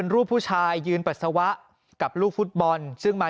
หยุดหยุดหยุดหยุด